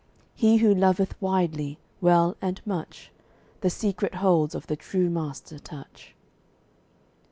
And he who loveth widely, well, and much, The secret holds of the true master touch.